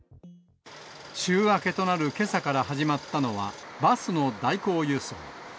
週明けとなるけさから始まったのは、バスの代行輸送。